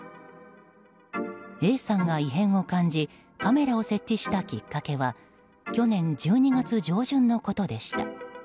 Ａさんが異変を感じカメラを設置したきっかけは去年１２月上旬のことでした。